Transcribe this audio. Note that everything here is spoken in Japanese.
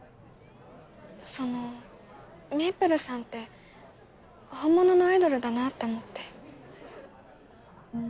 そのめいぷるさんって本物のアイドルだなって思ってうん